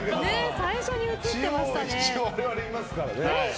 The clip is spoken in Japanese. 最初に映ってましたね。